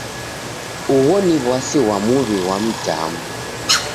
Ugho ni w'asi kwa muw'I ghwa mdamu.